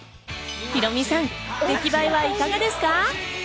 ヒロミさん、出来栄えはいかがですか？